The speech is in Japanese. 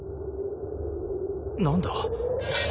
何だ？